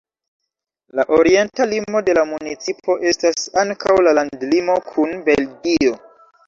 La orienta limo de la municipo estas ankaŭ la landlimo kun Belgio.